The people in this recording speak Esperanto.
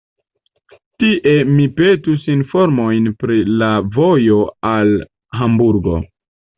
Tie mi petus informojn pri la vojo al Hamburgo.